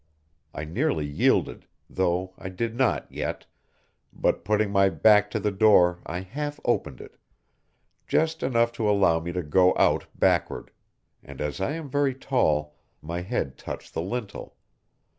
I nearly yielded, though I did not yet, but putting my back to the door I half opened it, just enough to allow me to go out backward, and as I am very tall, my head touched the lintel.